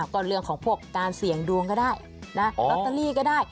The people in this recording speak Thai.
ก็เรื่องของพวกการเสี่ยงดวงก็ได้นะลอตเตอรี่ก็ได้